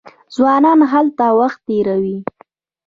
ځوانان هلته وخت تیروي.